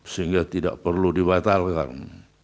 sehingga tidak perlu dibatalkan